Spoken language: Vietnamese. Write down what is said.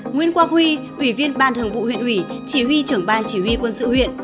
nguyễn quang huy ủy viên ban thường vụ huyện ủy chỉ huy trưởng ban chỉ huy quân sự huyện